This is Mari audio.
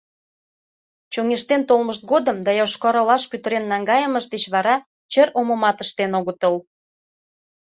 Чоҥештен толмышт годым да Йошкар-Олаш пӱтырен наҥгайымышт деч вара чыр омымат ыштен огытыл.